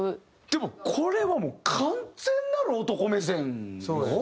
でもこれはもう完全なる男目線よ。